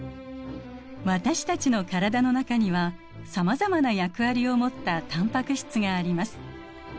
私たちの体の中にはさまざまな役割を持ったタンパク質があります。